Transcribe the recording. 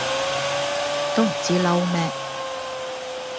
都唔知嬲咩